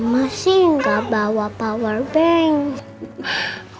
masih gak bawa powerbank